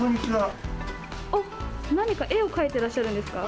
おっ、何か絵を描いてらっしゃるんですか？